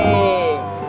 jangan sabar ya rud